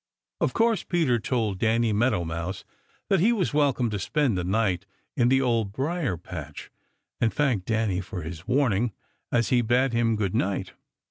Of course Peter told Danny Meadow Mouse that he was welcome to spend the night in the Old Briar patch, and thanked Danny for his warning as he bade him good night.